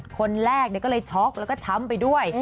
คนแรกก็เลยช็อกแล้วก็ช้ำไปด้วย